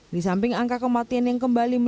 di samping angka kematian yang kembali